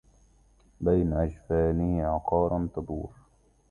بين أجفانه عقار تدور